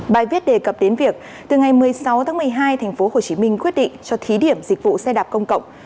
bài viết đề cập đến việc từ ngày một mươi sáu tháng một mươi hai tp hcm quyết định cho thí điểm dịch vụ xe đạp công cộng